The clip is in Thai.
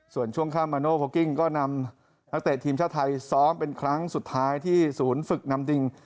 ส่วนช่วงข้ามมาโนโพกิ้งก็นำนักเตะทีมชาติไทยซ้อมเป็นครั้งสุดท้ายที่ศูนย์ฝึกนำจริง